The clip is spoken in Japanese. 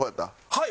はい。